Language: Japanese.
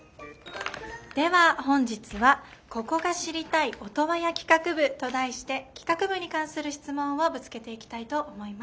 では本日は「ここが知りたいオトワヤ企画部！」と題して企画部に関する質問をぶつけていきたいと思います。